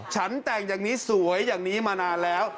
ฉันแต่งอย่างนี้สวยอย่างนี้มานานแล้ว